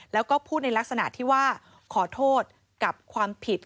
แล้วก็พูดในลักษณะที่ว่าขอโทษกับความผิด